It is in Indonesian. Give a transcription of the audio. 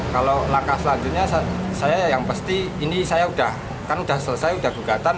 kalau langkah selanjutnya saya yang pasti ini saya sudah kan sudah selesai sudah gugatan